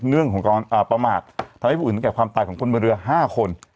เรื่องของการประมาททำให้ผู้อื่นถึงแก่ความตายของคนบนเรือ๕คน